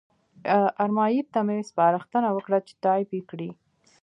ارمایي ته مې سپارښتنه وکړه چې ټایپ یې کړي.